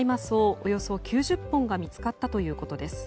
およそ９０本が見つかったということです。